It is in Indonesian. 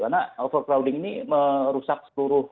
karena overcrowding ini merusak seluruh